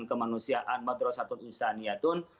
kemanusiaan madrasatun insaniatun